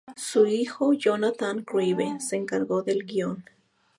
Su hijo, Jonathan Craven, se encargo del guion.